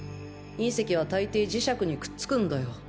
隕石はたいてい磁石にくっつくんだよ。